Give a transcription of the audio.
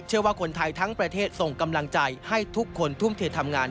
ว่าคนไทยทั้งประเทศส่งกำลังใจให้ทุกคนทุ่มเททำงาน